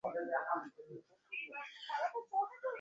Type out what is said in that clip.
এইভাবে পরের সেবা করা শুভ কর্ম।